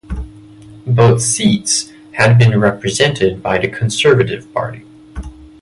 Both seats had been represented by the Conservative Party.